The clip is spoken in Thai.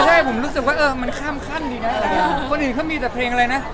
ใช่ผมรู้สึกว่ามันข้ามขั้นดีนะคนอื่นก็มีแต่เพลงอะไรนะ